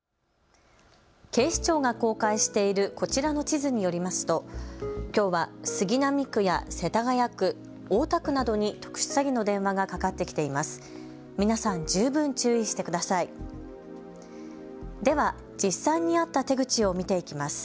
警視庁が公開しているこちらの地図によりますときょうは杉並区や世田谷区、大田区などに特殊詐欺の電話がかかってきています。